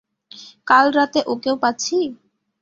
কালরাতে ওকেও পাচ্ছি?